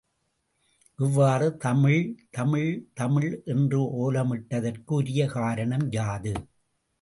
இவ்வாறு தமிழ் தமிழ் தமிழ் என்று ஓலமிட்டதற்கு உரிய காரணம் யாது?